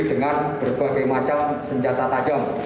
dengan berbagai macam senjata tajam